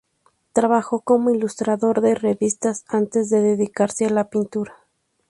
Trabajó como ilustrador de revistas antes de dedicarse a la pintura.